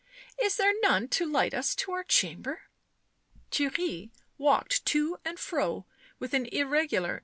" Is there ~ none to light us to our chamber?" Theirry walked to and fro with an irregular agitated step.